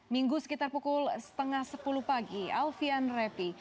minggu sekitar pukul setengah sepuluh pagi alfian rapi